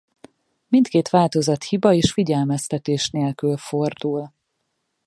Mindkét változat hiba és figyelmeztetés nélkül fordul.